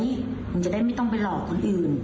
มันจะได้ไม่ต้องไปหลอกคนอื่น